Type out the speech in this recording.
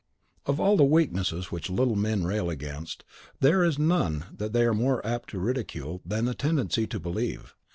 Of all the weaknesses which little men rail against, there is none that they are more apt to ridicule than the tendency to believe.